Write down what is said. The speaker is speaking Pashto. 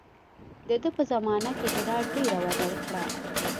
د ده په زمانه کې هرات ډېره وده وکړه.